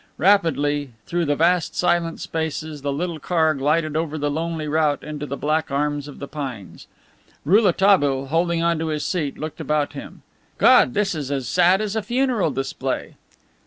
Rapidly, through the vast silent spaces, the little car glided over the lonely route into the black arms of the pines. Rouletabille, holding on to his seat, looked about him. "God! this is as sad as a funeral display."